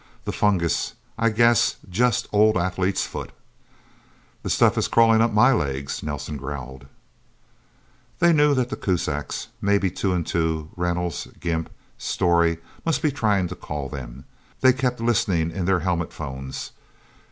The fungus, I guess. Just old athlete's foot." "The stuff is crawling up my legs," Nelsen growled. They knew that the Kuzaks, maybe Two and Two, Reynolds, Gimp, Storey, must be trying to call them. They kept listening in their helmet phones.